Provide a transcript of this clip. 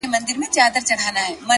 زموږ وطن كي اور بل دی ـ